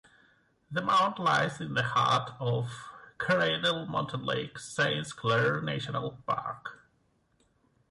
The mount lies in the heart of Cradle Mountain-Lake Saint Clair National Park.